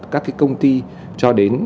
các cái công ty cho đến